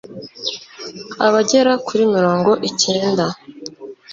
abagera kuri mirongo icyenda